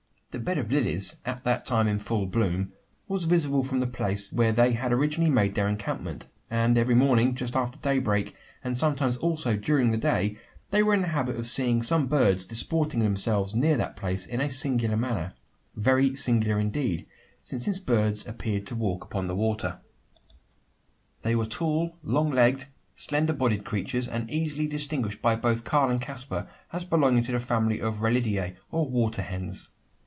The bed of lilies, at that time in full bloom, was visible from the place where they had originally made their encampment; and every morning, just after daybreak, and sometimes also during the day, they were in the habit of seeing some birds disporting themselves near that place in a singular manner very singular indeed: since these birds appeared to walk upon the water! They were tall, long legged, slender bodied creatures, and easily distinguished by both Karl and Caspar, as belonging to the family of rallidae or water hens.